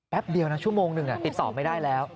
เดียวนะชั่วโมงหนึ่งติดต่อไม่ได้แล้ว